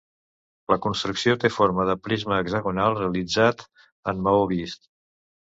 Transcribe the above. La construcció té forma de prisma hexagonal realitzat en maó vist.